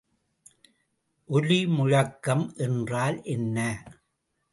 ஒலிமுழக்கம் என்றால் என்ன?